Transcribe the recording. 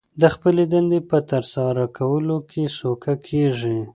د خپلې دندې په ترسره کولو کې سوکه کېږي